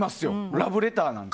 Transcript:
ラブレターなんて。